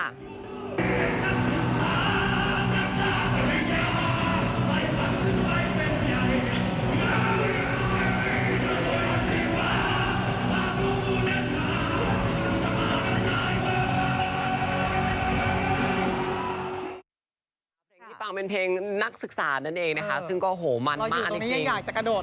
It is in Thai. เสียงที่ฟังเป็นเพลงนักศึกษานั่นเองนะคะซึ่งก็โหมันมากจริง